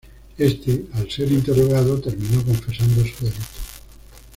Éste, al ser interrogado terminó confesando su delito.